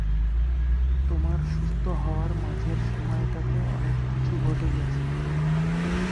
তোমার সুস্থ হওয়ার মাঝের সময়টাতে অনেক কিছু ঘটে গেছে।